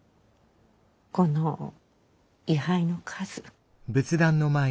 この位はいの数。